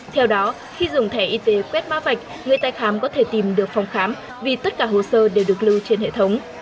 theo đó khi dùng thẻ y tế quét mã vạch người tài khám có thể tìm được phòng khám vì tất cả hồ sơ đều được lưu trên hệ thống